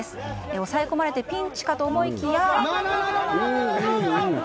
押さえ込まれてピンチかと思いきや。